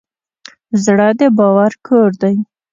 زړه د باور کور دی.